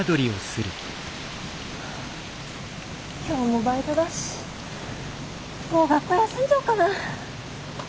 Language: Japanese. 今日もバイトだしもう学校休んじゃおうかな。